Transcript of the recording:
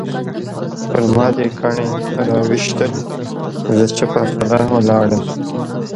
پرما دې کاڼي راویشتل زه چوپه خوله ولاړم